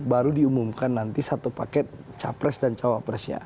baru diumumkan nanti satu paket capres dan cawapresnya